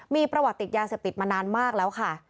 มีประวัติติดยาเสพติดมานานมากแล้วค่ะ